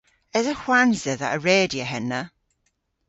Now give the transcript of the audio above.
Esa hwans dhedha a redya henna?